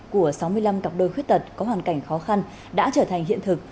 của sáu mươi năm cặp đôi khuyết tật có hoàn cảnh khó khăn đã trở thành hiện thực